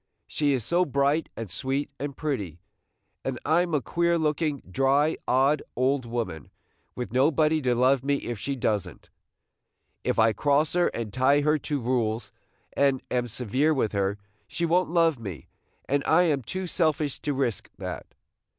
She is so bright and sweet and pretty, and I 'm a queer looking, dry, odd old woman, with nobody to love me if she does n't. If I cross her and tie her to rules, and am severe with her, she won't love me, and I am too selfish to risk that.